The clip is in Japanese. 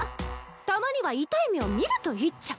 たまには痛い目をみるといいっちゃ。